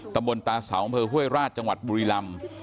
ตำบลตาเสาอำเภอห้วยราชจังหวัดบุรีลำ